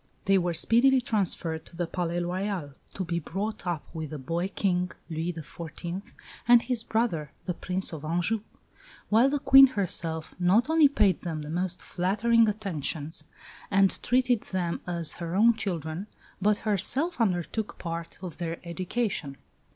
They were speedily transferred to the Palais Royal, to be brought up with the boy King, Louis XIV., and his brother, the Prince of Anjou; while the Queen herself not only paid them the most flattering attentions and treated them as her own children, but herself undertook part of their education.